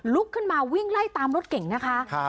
ลุกขึ้นมาวิ่งไล่ตามรถเก่งนะคะ